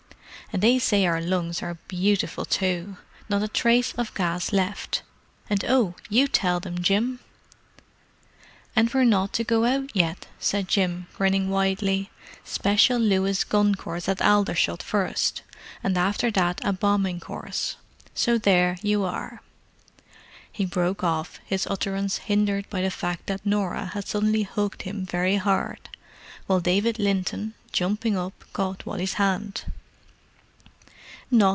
And they say our lungs are beautiful too; not a trace of gas left. And—oh, you tell them, Jim!" "And we're not to go out yet," said Jim, grinning widely. "Special Lewis gun course at Aldershot first, and after that a bombing course. So there you are." He broke off, his utterance hindered by the fact that Norah had suddenly hugged him very hard, while David Linton, jumping up, caught Wally's hand.